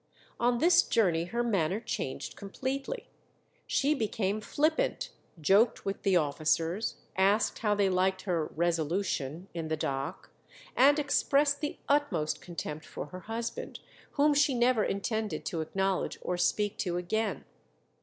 On this journey her manner changed completely. She became flippant, joked with the officers, asked how they liked her "resolution" in the dock, and expressed the utmost contempt for her husband, whom she never intended to acknowledge or speak to again.